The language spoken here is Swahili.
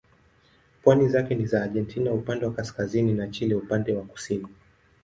Pwani zake ni za Argentina upande wa kaskazini na Chile upande wa kusini.